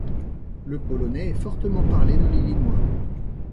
Le polonais est fortement parlé dans l’Illinois.